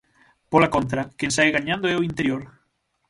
Pola contra, quen sae gañando é o interior.